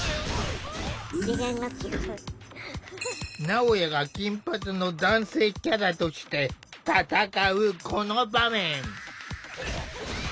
なおやが金髪の男性キャラとして戦うこの場面。